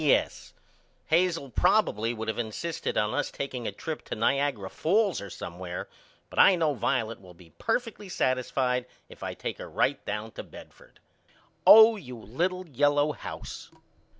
P.S. Hazel probibly would of insisted on us takeing a trip to Niagara falls or somewheres but I know Violet will be perfectly satisfied if I take her right down to Bedford. Oh you little yellow house.